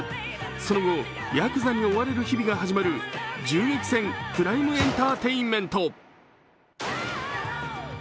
その後、ヤクザに追われる日々が始まる銃撃戦クライム・エンターテインメント。